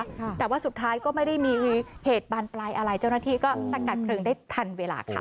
แต่ว่าสุดท้ายก็ไม่ได้มีเหตุบานปลายอะไรเจ้าหน้าที่ก็สกัดเพลิงได้ทันเวลาค่ะ